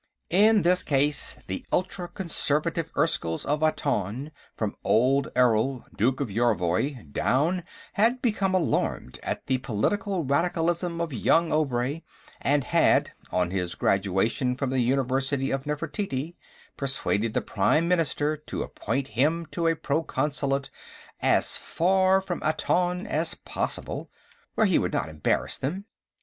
In this case, the ultra conservative Erskylls of Aton, from old Errol, Duke of Yorvoy, down, had become alarmed at the political radicalism of young Obray, and had, on his graduation from the University of Nefertiti, persuaded the Prime Minister to appoint him to a Proconsulate as far from Aton as possible, where he would not embarrass them.